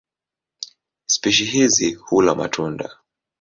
Spishi hizi hula matunda.